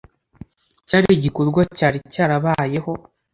cyari igikorwa cyari cyarabayeho.